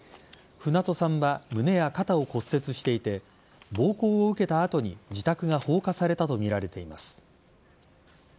船戸さんは胸や肩を骨折していて暴行を受けた後に自宅が放火されたとみられています。